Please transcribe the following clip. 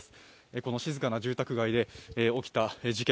この静かな住宅街で起きた事件。